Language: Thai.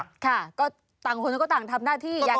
ต่างคนก็ต่างทำหน้าที่